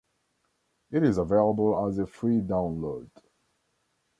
It is available as a free download.